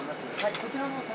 こちらの。